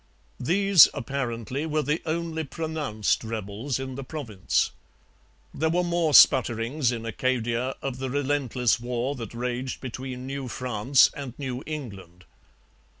These, apparently, were the only pronounced rebels in the province. There were more sputterings in Acadia of the relentless war that raged between New France and New England.